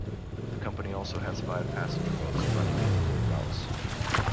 The company also has five passenger boats running in four routes.